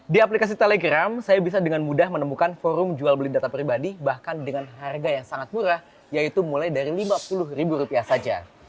di aplikasi telegram saya bisa dengan mudah menemukan forum jual beli data pribadi bahkan dengan harga yang sangat murah yaitu mulai dari lima puluh ribu rupiah saja